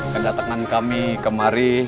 kedatangan kami kemari